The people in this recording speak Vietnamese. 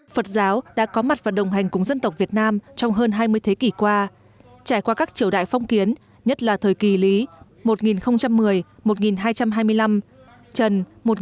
phật giáo đã có mặt và đồng hành cùng dân tộc việt nam trong hơn hai mươi thế kỷ qua trải qua các triều đại phong kiến nhất là thời kỳ lý một nghìn một mươi một nghìn hai trăm hai mươi năm trần một nghìn hai trăm hai mươi năm một nghìn bốn trăm linh